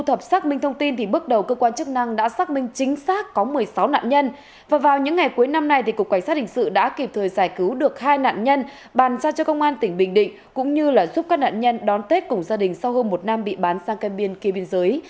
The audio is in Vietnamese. hôm nay cục quản sát hình sự đã kịp thời giải cứu được hai nạn nhân bàn ra cho công an tỉnh bình định cũng như giúp các nạn nhân đón tết cùng gia đình sau hơn một năm bị bán sang cân biên kia biên giới